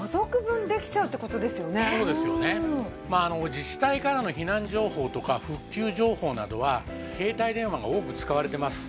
自治体からの避難情報とか復旧情報などは携帯電話が多く使われてます。